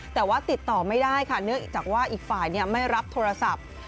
แต่ว่าติดต่อไม่ได้ค่ะเนื่องจากว่าอีกฝ่ายไม่รับโทรศัพท์